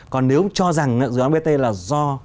còn nếu cho rằng dự án bot là do